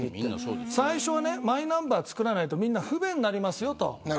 最初はマイナンバー作らないとみんな不便になりますよ、と。